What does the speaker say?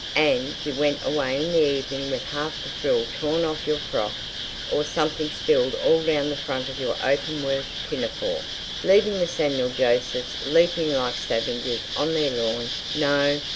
And you went away in the evening with half the frill torn off your frock or something spilled all down the front of your open work pinafore, leaving the Samuel Josephs leaping like savages on their lawn. No!